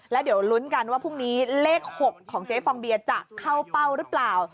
แล้วเดี๋ยวลุ้นกันว่าพรุ่งนี้เลข๖ของเจ๊ฟองเบียจะเข้าเป้าหรือเปล่า